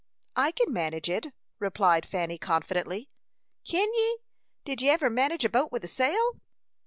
"I can manage it," replied Fanny, confidently. "Kin ye? Did ye ever manage a boat with a sail?"